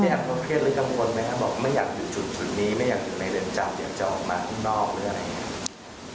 แอมเครียดอะไรกับคนไหมครับบอกไม่อยากอยู่จุดนี้ไม่อยากอยู่ในเรือนจัดอยากจะออกมานอกหรืออะไร